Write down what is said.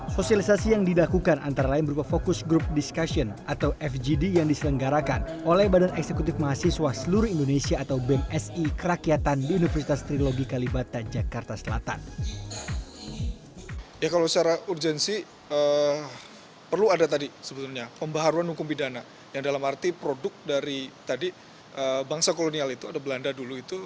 sosialisasi yang didakukan antara lain berupa fokus group discussion atau fgd yang diselenggarakan oleh badan eksekutif mahasiswa seluruh indonesia atau bemsi kerakyatan di universitas trinidad